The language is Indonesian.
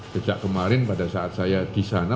sejak kemarin pada saat saya di sana